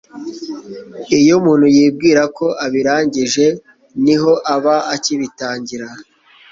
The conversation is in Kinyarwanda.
iyo umuntu yibwira ko abirangije, ni ho aba akibitangira